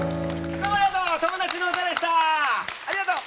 どうもありがとう！